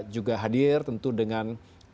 juga hadir tentu dengan